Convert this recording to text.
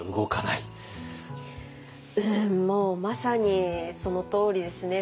もうまさにそのとおりですね。